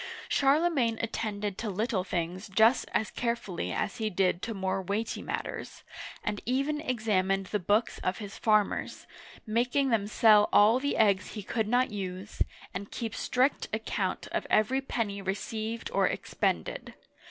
'* Charlemagne attended to little things just as carefully as he did to more weighty matters, and even examined the books of his farmers, making them sell all the eggs he could not use, and keep strict account of every penny received or expended.